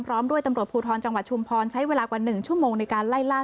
พร้อมด้วยตำรวจภูทรจังหวัดชุมพรใช้เวลากว่า๑ชั่วโมงในการไล่ล่า